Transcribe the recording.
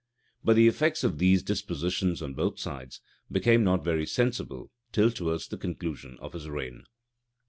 But the effects of these dispositions on both sides became not very sensible till towards the conclusion of his reign.